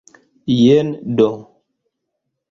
Jen do!